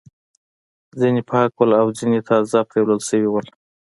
ځینې پاک ول او ځینې تازه پریولل شوي ول.